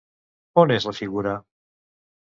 On és la figura?